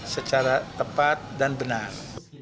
secara tepat dan benar